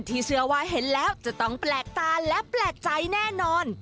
เชื่อว่าเห็นแล้วจะต้องแปลกตาและแปลกใจแน่นอน